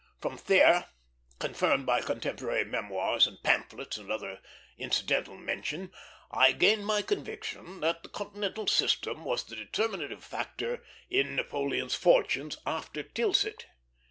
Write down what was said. From Thiers, confirmed by contemporary memoirs and pamphlets and other incidental mention, I gained my conviction that the Continental System was the determinative factor in Napoleon's fortunes after Tilsit.